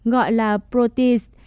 gọi là protease